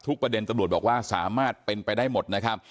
ทุกประเด็นตำรวจบอกว่าสามารถเป็นไปได้หมด